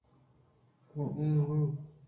کہ آ مِریت